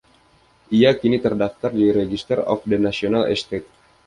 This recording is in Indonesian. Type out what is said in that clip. Ia kini terdaftar di Register of the National Estate.